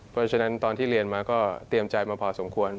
เพราะฉะนั้นตอนที่เรียนมาก็เตรียมใจมาพอสมควร